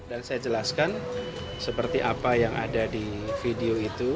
dan saya jelaskan seperti apa yang ada di video itu